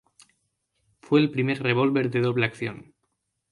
Fue el primer revólver de doble acción.